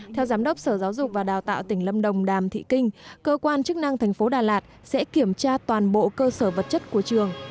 theo giám đốc sở giáo dục và đào tạo tỉnh lâm đồng đàm thị kinh cơ quan chức năng thành phố đà lạt sẽ kiểm tra toàn bộ cơ sở vật chất của trường